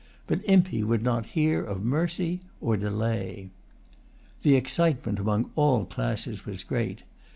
But Impey would not hear of mercy or delay. The excitement among all classes was great.